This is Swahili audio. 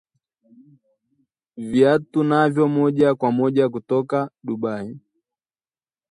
Viatu navyo moja kwa moja kutoka Dubai